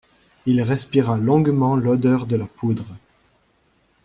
Il respira longuement l'odeur de la poudre.